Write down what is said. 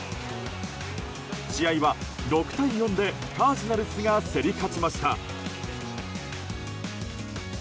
試合は６対４でカージナルスが競り勝ちました。